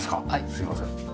すいません。